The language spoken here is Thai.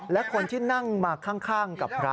และคนที่นั่งมาข้างกับพระ